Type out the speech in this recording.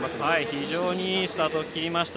非常にいいスタートを切りました。